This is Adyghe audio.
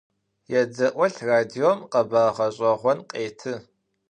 Yêde'olh, radiom khebar ğeş'eğon khêtı.